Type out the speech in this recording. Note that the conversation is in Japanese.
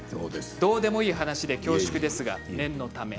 どうでもいい話で恐縮ですが念のため。